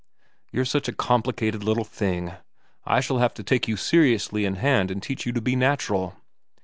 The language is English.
' You're such a complicated little thing. I shall have to take you seriously in hand and teach you to be natural.